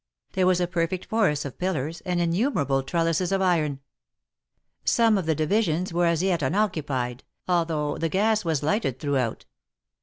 There was a perfect forest of pillars, and innumerable trellises of iron. Some of the divisions were as yet unoccupied, although the gas was lighted throughout.